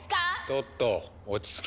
トット落ち着き。